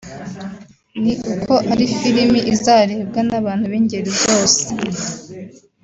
ni uko ari filimi izarebwa n’abantu b’ingeri zose